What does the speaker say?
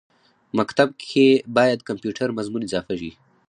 مکتب کښې باید کمپیوټر مضمون اضافه شي